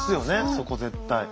そこ絶対。